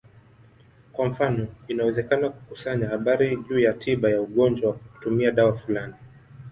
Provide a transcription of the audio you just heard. Kwa mfano, inawezekana kukusanya habari juu ya tiba ya ugonjwa kwa kutumia dawa fulani.